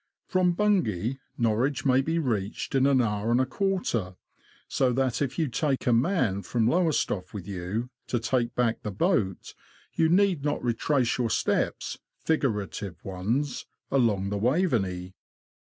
From Bungay, Norwich may be reached in an hour and a quarter ; so that, if you take a man from Lowestoft with you, to take back the boat, you need not retrace your steps (figurative ones) along the Waveney.